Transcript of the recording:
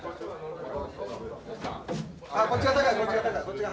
こっちが高いこっちが高いこっちが。